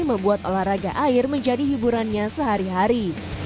membuat olahraga air menjadi hiburannya sehari hari